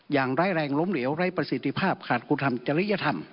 อย่างไร้แรงล้มเหลวไร้ประสิทธิภาพขาดคุณธรรมจริยธรรม